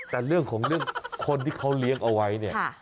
แต่เรื่องของเรื่องคนที่เขาเลี้ยงเอาไว้เนี่ย